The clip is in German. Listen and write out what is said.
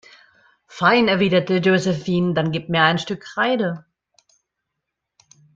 Fein, erwidert Josephine, dann gib mir ein Stück Kreide.